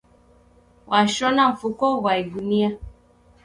Washona mfuko ghwa igunia